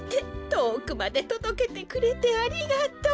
とおくまでとどけてくれてありがとう。